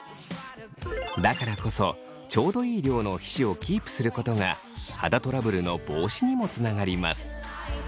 だからこそちょうどいい量の皮脂をキープすることが肌トラブルの防止にもつながります